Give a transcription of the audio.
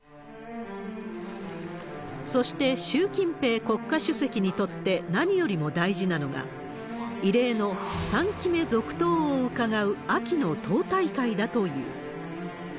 そして、習近平国家主席にとって何よりも大事なのが、異例の３期目続投をうかがう秋の党大会だという。